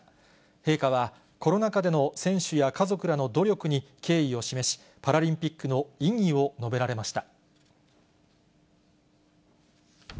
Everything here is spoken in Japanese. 陛下は、コロナ禍での選手や家族らの努力に敬意を示し、パラリンピックの意義を述べられました。